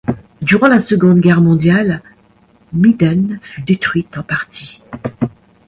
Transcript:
Durant la Seconde Guerre mondiale, Minden fut détruite en partie.